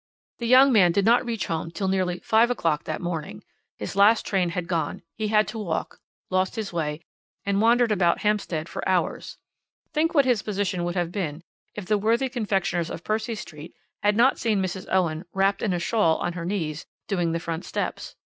"The young man did not reach home till nearly five o'clock that morning. His last train had gone; he had to walk, lost his way, and wandered about Hampstead for hours. Think what his position would have been if the worthy confectioners of Percy Street had not seen Mrs. Owen 'wrapped up in a shawl, on her knees, doing the front steps.'